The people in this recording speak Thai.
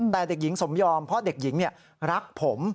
แต่เด็กหญิงสมยอมเพราะเด็กหญิงรักผม